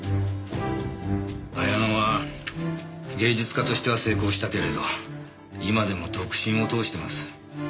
彩乃は芸術家としては成功したけれど今でも独身を通してます。